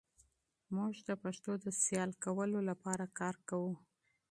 موږ د پښتو د شهرت لپاره کار کوو.